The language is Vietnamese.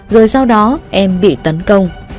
rồi sau đó em bị tấn công